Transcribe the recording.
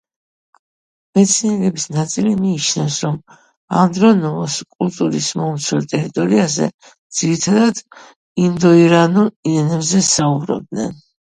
მეცნიერების ნაწილი მიიჩნევს, რომ ანდრონოვოს კულტურის მომცველ ტერიტორიაზე ძირითადად ინდოირანულ ენებზე საუბრობდნენ.